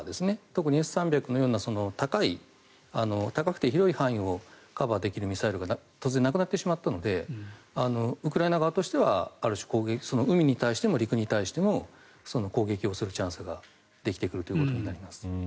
特にＳ３００のような高くて広い範囲をカバーできるミサイルが突然、なくなってしまったのでウクライナ側としてはある種海に対しても陸に対しても攻撃をするチャンスができてくるということになります。